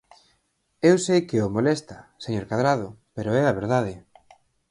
Eu sei que o molesta, señor Cadrado, pero é a verdade.